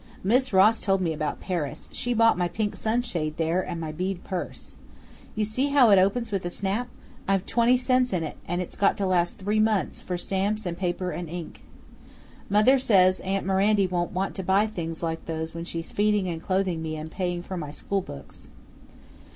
Miss Ross told me about Paris; she bought my pink sunshade there and my bead purse. You see how it opens with a snap? I've twenty cents in it, and it's got to last three months, for stamps and paper and ink. Mother says aunt Mirandy won't want to buy things like those when she's feeding and clothing me and paying for my school books."